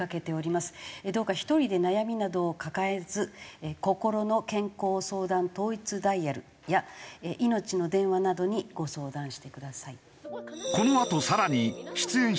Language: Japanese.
どうか１人で悩みなどを抱えずこころの健康相談統一ダイヤルやいのちの電話などにご相談してください。